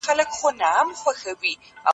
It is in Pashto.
امنیتي کسان د لیدونکو خبري اوري.